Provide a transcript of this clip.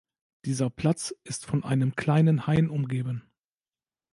Dieser Platz ist von einem kleinen Hain umgeben.